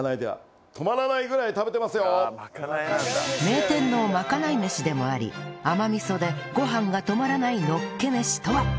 名店のまかない飯でもあり甘味噌でご飯が止まらないのっけ飯とは？